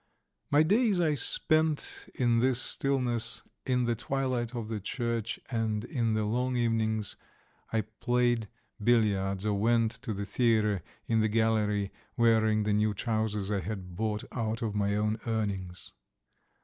... My days I spent in this stillness in the twilight of the church, and in the long evenings I played billiards or went to the theatre in the gallery wearing the new trousers I had bought out of my own earnings.